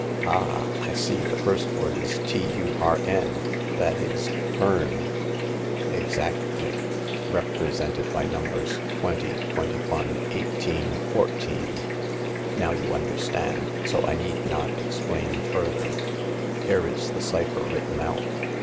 " Ah ! I see the first word is T, U, R, N,— that is turn !" "Exactly; represented by numbers, 20, 21, 18, 14. Now you understand, so I need not ex plain further. Here is the cypher written out."